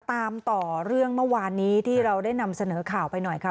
ตามต่อเรื่องเมื่อวานนี้ที่เราได้นำเสนอข่าวไปหน่อยค่ะ